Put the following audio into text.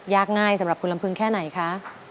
ง่ายสำหรับคุณลำพึงแค่ไหนคะ